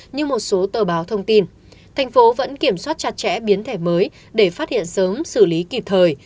như một số tờ báo thông tin thành phố vẫn kiểm soát chặt chẽ biến thể mới để phát hiện sớm xử lý kịp thời